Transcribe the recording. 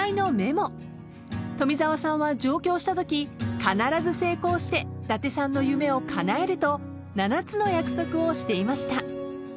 ［富澤さんは上京したとき必ず成功して伊達さんの夢をかなえると７つの約束をしていました］